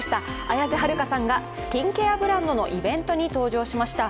綾瀬はるかさんがスキンケアブランドのイベントに登場しました。